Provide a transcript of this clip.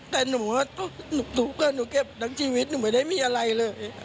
แต่หนูว่าหนูทุกข์หนูเก็บทั้งชีวิตหนูไม่ได้มีอะไรเลย